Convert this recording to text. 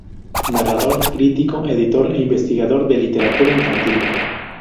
Narrador, crítico, editor e investigador de literatura infantil.